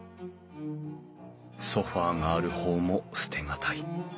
ソファーがある方も捨て難い。